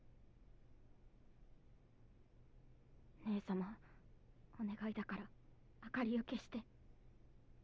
ねえさまお願いだから明かりを消して。